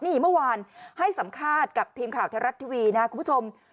นี่เมื่อวานให้สัมภาษณ์กับทีมข่าวไทยรัฐทีวีนะครับคุณผู้ชม